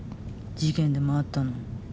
事件でもあったの？